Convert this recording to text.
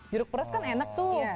jeruk pedas kan enak tuh